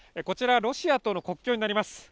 こちらはロシアとの国境になります